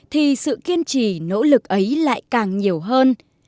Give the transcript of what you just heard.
thì sự kiên trì nỗ lực ấy lại càng nhiều hơn